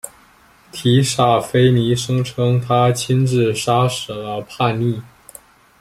提萨斐尼声称他亲自杀死了叛逆。